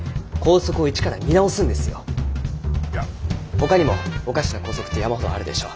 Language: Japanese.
ほかにもおかしな校則って山ほどあるでしょう。